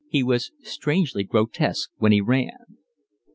He was strangely grotesque when he ran.